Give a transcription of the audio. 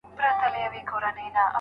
هغوی خپلي دندې ته ژمن وو.